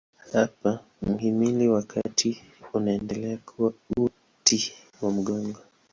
Hapa mhimili wa kati unaendelea kuwa uti wa mgongo.